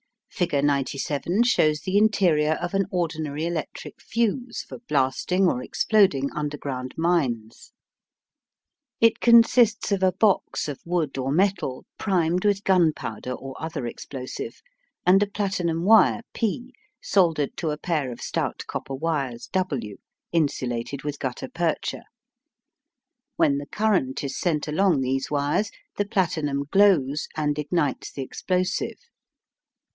Figure 97 shows the interior of an ordinary electric fuse for blasting or exploding underground mines. It consists of a box of wood or metal primed with gunpowder or other explosive, and a platinum wire P soldered to a pair of stout copper wires W, insulated with gutta percha. When the current is sent along these wires, the platinum glows and ignites the explosive.